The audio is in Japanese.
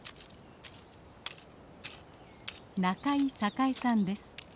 仲井榮さんです。